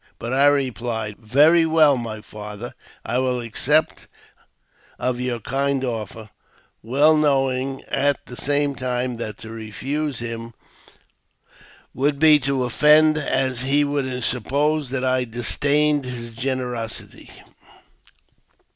But I replied, " Very well, my father, I will accept of your kind offer," well knowing, at the same time, that to refuse him would be to offend, as he would suppose that I disdained his generosity.